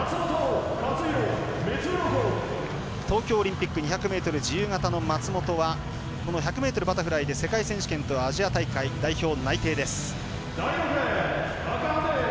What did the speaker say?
東京オリンピック２００ｍ自由形代表の松元はこの１００ｍバタフライで世界選手権とアジア大会の代表内定です。